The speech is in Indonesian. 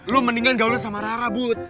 lo mendingan gaulat sama rara bud